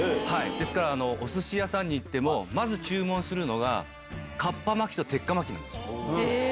ですから、おすし屋さんに行っても、まず注文するのが、かっぱ巻きと鉄火巻きなんです。